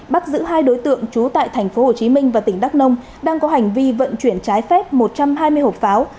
bắt giữ hai đối tượng trú tại tp hcm và tỉnh đắk nông đang có hành vi vận chuyển trái phép một trăm hai mươi hộp pháo